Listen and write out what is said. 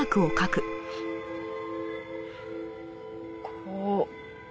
こう。